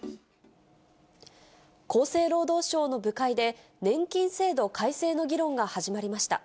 厚生労働省の部会で、年金制度改正の議論が始まりました。